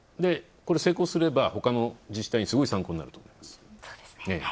成功すればほかの自治体にすごい参考になります。